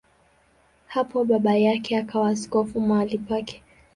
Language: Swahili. Hapo baba yake akawa askofu mahali pake.